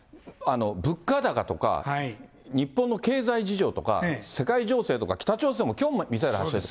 物価高とか、日本の経済事情とか、世界情勢とか、北朝鮮きょうもミサイル発射した。